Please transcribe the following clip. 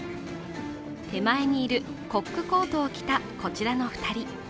手前にいるコックコートを着たこちらの２人。